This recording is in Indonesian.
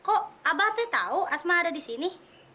kok abah tuh tau asma ada di sini